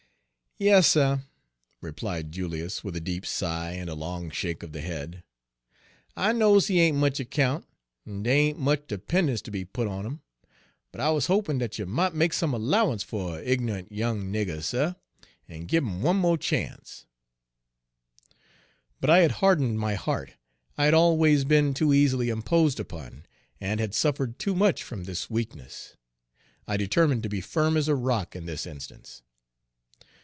Page 67 "Yas, suh," replied Julius, with a deep sigh and a long shake of the head, "I knows he ain' much account, en dey ain' much 'pen'ence ter be put on 'im. But I wuz hopin' dat you mought make some 'lowance fuh a' ign'ant young nigger, suh, en gib 'im one mo' chance." But I had hardened my heart. I had always been too easily imposed upon, and had suffered too much from this weakness. I determined to be firm as a rock in this instance.